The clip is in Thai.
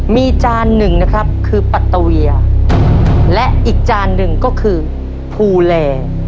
มีจานหนึ่งนะครับคือปัตตะเวียและอีกจานหนึ่งก็คือภูแล